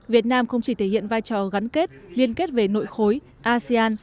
việt nam không chỉ thể hiện vai trò gắn kết liên kết về nội khối asean